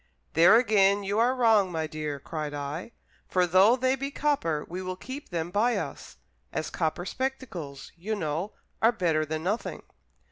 "There again you are wrong, my dear," cried I; "for though they be copper, we will keep them by us, as copper spectacles, you know, are better than nothing."